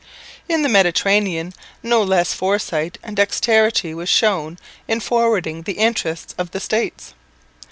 In the Mediterranean no less foresight and dexterity was shown in forwarding the interests of the States.